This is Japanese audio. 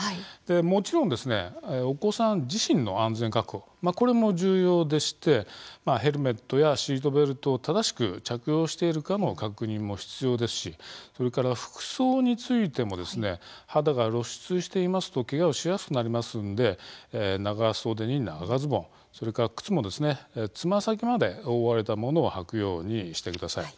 もちろん、お子さん自身の安全確保、これも重要でしてヘルメットやシートベルトを正しく着用しているかも確認も必要ですしそれから服装についても肌が露出していますとけがをしやすくなりますんで長袖に長ズボン、それから靴もつま先まで覆われたものを履くようにしてください。